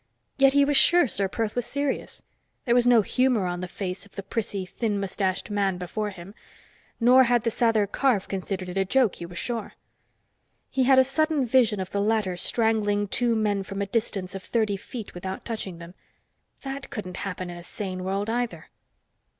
Yet he was sure Ser Perth was serious; there was no humor on the face of the prissy thin mustached man before him. Nor had the Sather Karf considered it a joke, he was sure. He had a sudden vision of the latter strangling two men from a distance of thirty feet without touching them. That couldn't happen in a sane world, either.